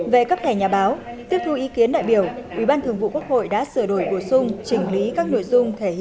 về cấp kẻ nhà báo tiếp thu ý kiến đại biểu ủy ban thường vụ quốc hội đã sửa đổi bổ sung